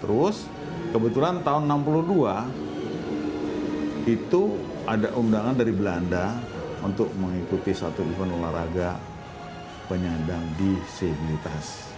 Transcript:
terus kebetulan tahun seribu sembilan ratus enam puluh dua itu ada undangan dari belanda untuk mengikuti satu event olahraga penyandang disabilitas